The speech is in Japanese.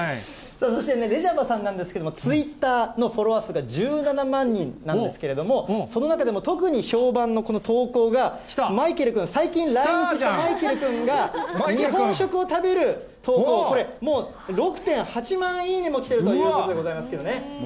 そしてレジャバさんなんですけれども、ツイッターのフォロワー数が１７万人なんですけれども、その中でも特に評判のこの投稿が、マイケル君、最近来日したマイケル君が、日本食を食べる投稿、これ、もう６．８万いいねも来てるということでございますけどね。